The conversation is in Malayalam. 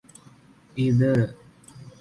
ഇത്